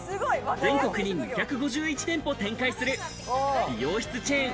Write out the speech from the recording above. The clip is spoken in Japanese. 全国に２５１店舗展開する美容室チェーン